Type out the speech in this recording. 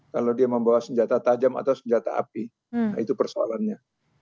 kalau dia membawa senjata tajam atau senjata api itu persoalannya